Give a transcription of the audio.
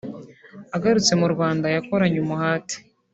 Agarutse mu Rwanda yakoranye umuhate